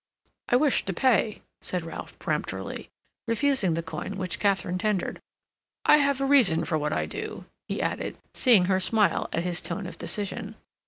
"I wish to pay," said Ralph peremptorily, refusing the coin which Katharine tendered. "I have a reason for what I do," he added, seeing her smile at his tone of decision.